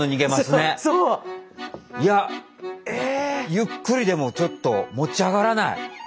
ゆっくりでもちょっと持ち上がらない。